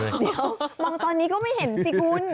เดี๋ยวมองตอนนี้ก็ไม่เห็นสิคุณ